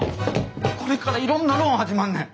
これからいろんなローン始まんねん。